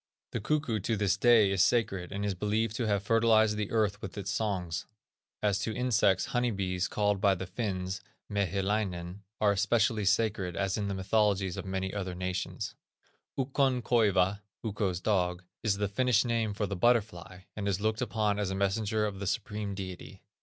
The cuckoo to this day is sacred, and is believed to have fertilized the earth with his songs. As to insects, honey bees, called by the Finns, Mehilainen, are especially sacred, as in the mythologies of many other nations. Ukkon koiva (Ukko's dog) is the Finnish name for the butterfly, and is looked upon as a messenger of the Supreme Deity.